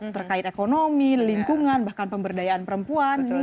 terkait ekonomi lingkungan bahkan pemberdayaan perempuan